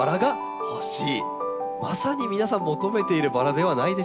まさに皆さん求めているバラではないでしょうか。